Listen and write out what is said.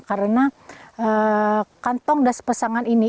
karena kantong das pesangan ini